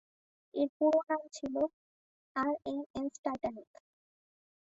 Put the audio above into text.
এর পুরো নাম ছিল ‘আর এম এস টাইটানিক’।